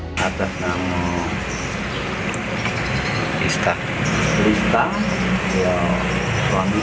atas nama istri lista suaminya dihidupkan lista ini sebagai korban awam